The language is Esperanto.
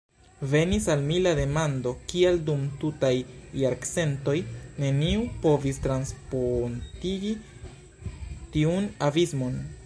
Venis al mi la demando, kial, dum tutaj jarcentoj, neniu provis transpontigi tiun abismon?